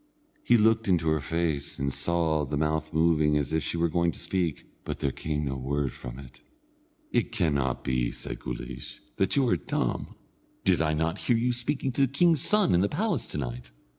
He looked into her face, and saw the mouth moving as if she were going to speak, but there came no word from it. "It cannot be," said Guleesh, "that you are dumb. Did I not hear you speaking to the king's son in the palace to night?